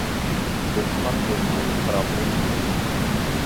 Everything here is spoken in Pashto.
دښمن د زړونو خرابوونکی وي